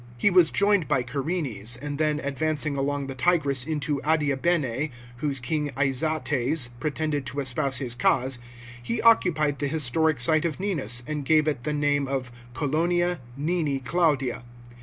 He was joined by Carenes, and then advancing along the Tigris into Adiabene, whose king Izates pretended to espouse his cause, he occupied the historic site of Ninus, and gave it the' name of Colonia Nini Claudia.